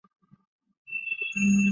石宝茶藤